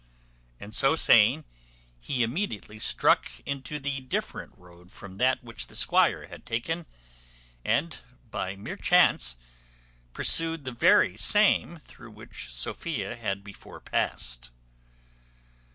And so saying, he immediately struck into the different road from that which the squire had taken, and, by mere chance, pursued the very same through which Sophia had before passed.